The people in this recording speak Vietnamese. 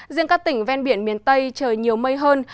riêng các tỉnh ven biển miền tây trời nhiều mây hơn